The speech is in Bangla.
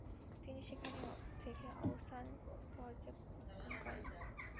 তিনি সেখান থেকে অবস্থা পর্যবেক্ষণ করেন।